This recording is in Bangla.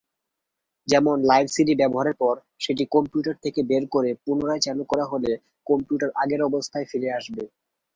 যেমন লাইভ সিডি ব্যবহারের পর সেটি কম্পিউটার থেকে বের করে পুনরায় চালু করা হলে কম্পিউটার আগের অবস্থায় ফিরে আসবে।